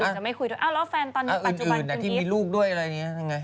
คนอื่นจะไม่คุยเอ้าร้องแฟนตอนนี้แบบอื่นพี่พี่ให้รูปด้วยแล้วกันไง